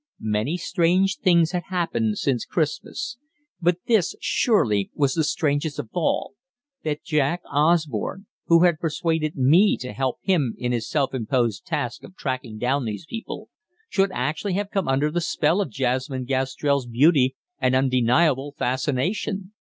Many strange things had happened since Christmas, but this, surely, was the strangest thing of all, that Jack Osborne, who had persuaded me to help him in his self imposed task of tracking down these people, should actually have come under the spell of Jasmine Gastrell's beauty and undeniable fascination.